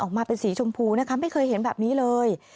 ออกมาเป็นสีชมพูนะคะไม่เคยเห็นแบบนี้เลย